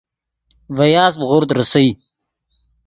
ڤے یاسپ غورد ریسئے